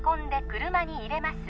車に入れます